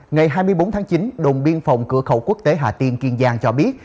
ngày hai mươi bốn tháng chín đồn biên phòng cửa khẩu quốc tế hà tiên kiên giang cho biết